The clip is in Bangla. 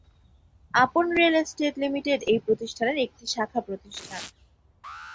আপন রিয়েল এস্টেট লিমিটেড এই প্রতিষ্ঠানের একটি শাখা প্রতিষ্ঠান।